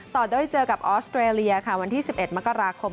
ต่อด้วยเจอกับออสเตรเลียค่ะวันที่๑๑มกราคม